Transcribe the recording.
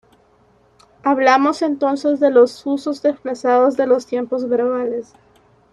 Hablamos entonces de los usos desplazados de los tiempos verbales.